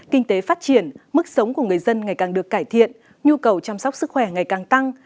kinh tế phát triển mức sống của người dân ngày càng được cải thiện nhu cầu chăm sóc sức khỏe ngày càng tăng